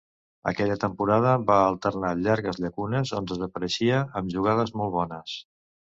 Aquella temporada va alternar llargues llacunes on desapareixia amb jugades molt bones.